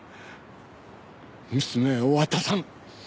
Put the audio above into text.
娘は渡さん。